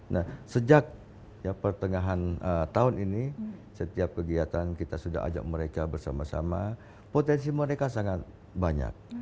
nah sejak pertengahan tahun ini setiap kegiatan kita sudah ajak mereka bersama sama potensi mereka sangat banyak